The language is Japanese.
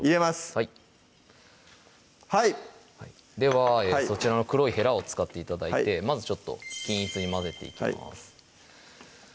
はいはいではそちらの黒いへらを使ってまずちょっと均一に混ぜていきます